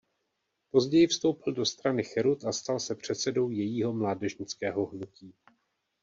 Později vstoupil do strany Cherut a stal se předsedou jejího mládežnického hnutí.